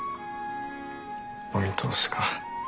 お見通しか。